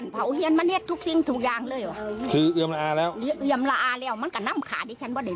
ไม่ได้แล้วนะครับ